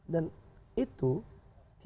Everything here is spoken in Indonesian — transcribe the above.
ada indikasi keterlibatan aparat ma us na